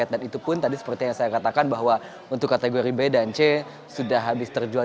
dan itu pun seperti yang saya katakan bahwa untuk kategori b dan c sudah habis terjual